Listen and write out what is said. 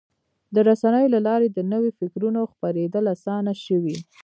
د رسنیو له لارې د نوي فکرونو خپرېدل اسانه شوي.